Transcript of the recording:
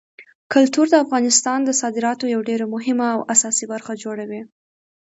کلتور د افغانستان د صادراتو یوه ډېره مهمه او اساسي برخه جوړوي.